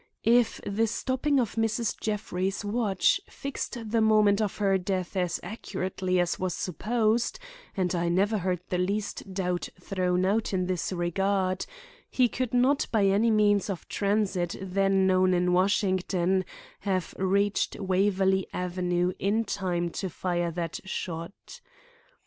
If the stopping of Mrs. Jeffrey's watch fixed the moment of her death as accurately as was supposed,—and I never heard the least doubt thrown out in this regard,—he could not by any means of transit then known in Washington have reached Waverley Avenue in time to fire that shot.